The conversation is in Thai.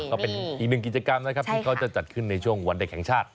ก็เป็นอีกหนึ่งกิจกรรมนะครับที่เขาจะจัดขึ้นในช่วงวันเด็กแห่งชาติ